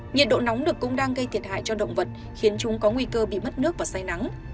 nhiệt độ nóng được cũng đang gây thiệt hại cho động vật khiến chúng có nguy cơ bị mất nước và say nắng